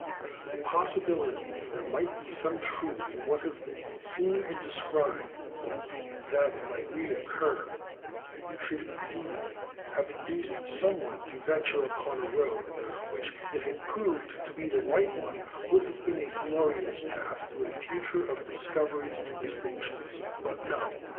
The possibility that there might be some truth in what had been seen and described, and that it might recur, should indeed have induced some one to venture upon a road which, if it proved to be the right one, would have been a glorious path to a future of discoveries and distinctions. But no.